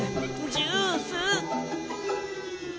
ジュース！